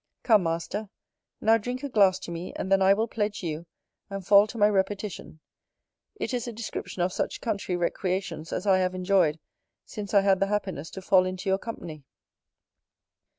Come, Master, now drink a glass to me, and then I will pledge you, and fall to my repetition; it is a description of such country recreations as I have enjoyed since I had the happiness to fall into your company.